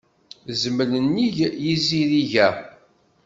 Zmel nnig yizirig-a.